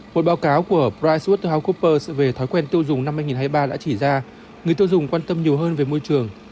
một báo cáo của bricuth haucoper về thói quen tiêu dùng năm hai nghìn hai mươi ba đã chỉ ra người tiêu dùng quan tâm nhiều hơn về môi trường